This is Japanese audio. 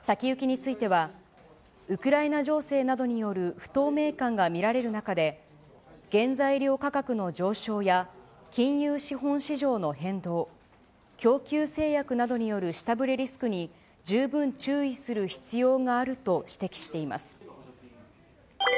先行きについては、ウクライナ情勢などによる不透明感が見られる中で、原材料価格の上昇や金融資本市場の変動、供給制約などによる下振れリスクに十分注意する必要があると指摘しています。